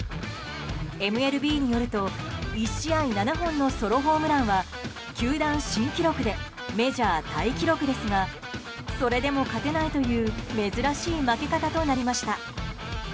ＭＬＢによると１試合７本のソロホームランは球団新記録でメジャータイ記録ですがそれでも勝てないという珍しい負け方となりました。